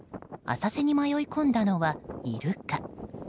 浅瀬に迷い込んだのはイルカ。